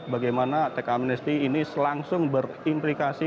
bagaimana teks amnesty ini langsung berimplikasi